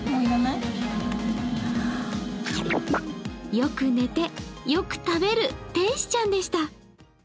よく寝て、よく食べる天使ちゃんでした。